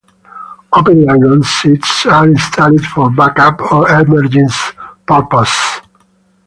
Open iron sights are installed for backup or emergency purposes.